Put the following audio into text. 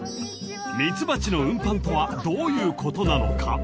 ［ミツバチの運搬とはどういうことなのか］